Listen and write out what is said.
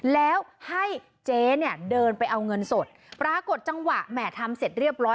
แล้วให้เจ๊เนี่ยเดินไปเอาเงินสดปรากฏจังหวะแหม่ทำเสร็จเรียบร้อย